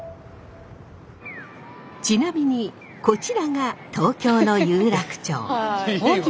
ちなみにこちらが東京の有楽町。